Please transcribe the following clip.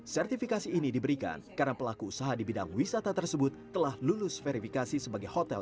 sertifikasi ini diberikan karena pelaku usaha di bidang wisata tersebut telah lulus verifikasi sebagai hotel